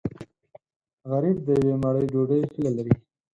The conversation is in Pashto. غریب د یوې مړۍ ډوډۍ هیله لري